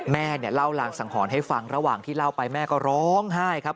แม่เนี่ยเล่ารางสังหรณ์ให้ฟังระหว่างที่เล่าไปแม่ก็ร้องไห้ครับ